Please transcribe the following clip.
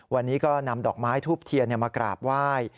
วันนี้ก็นำดอกไม้ทูบเทียนมากราบไหว้